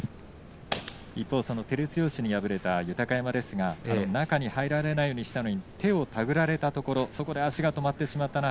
一方、照強に敗れた豊山中に入られないようにしたんだけれども手を手繰られたときに足が止まってしまった。